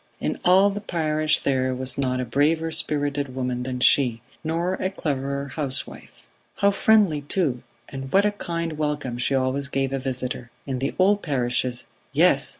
"In all the parish there was not a braver spirited woman than she, nor a cleverer housewife. How friendly too, and what a kind welcome she always gave a visitor! In the old parishes yes!